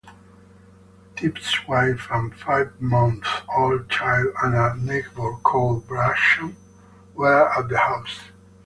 Tibbs's wife and five-month-old child and a neighbour called Basham were at the house.